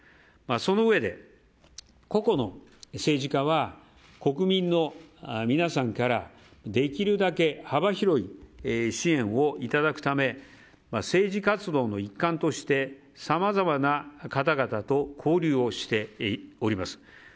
そのうえで、個々の政治家は国民の皆さんからできるだけ幅広い支援をいただくため政治活動の一環としてさまざまな方々と交流をしております。